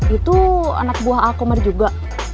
itu anak buah alkomer juga